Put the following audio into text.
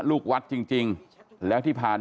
เมื่อยครับเมื่อยครับ